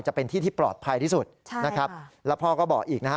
จะเป็นที่ที่ปลอดภัยที่สุดใช่นะครับแล้วพ่อก็บอกอีกนะฮะ